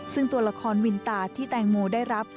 ซึ่งตัวละครวินตาที่แตงโมได้รับ